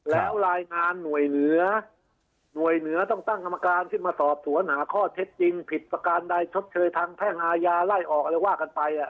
แบบจดเฌยทางแพ่งอาญาไล่ออกอะไรว่ากันไป